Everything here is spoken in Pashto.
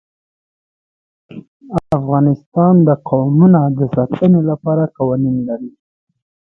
افغانستان د قومونه د ساتنې لپاره قوانین لري.